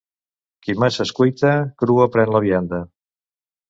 Qui massa es cuita, crua pren la vianda.